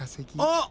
あっ！